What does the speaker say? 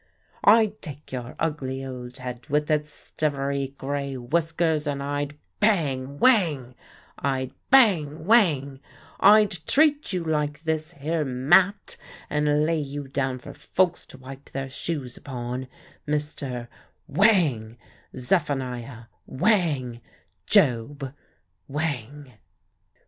I'd take your ugly old head with its stivery grey whiskers and I'd (bang, whang) I'd (bang, whang) I'd treat you like this here mat, and lay you down for folks to wipe their shoes upon, Mr. (whang) Zephaniah (whang) Job (whang)."